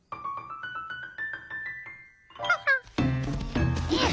ハハッ。